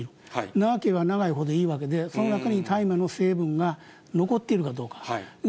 長ければ長いほどいいわけで、その中に大麻の成分が残っているかどうか。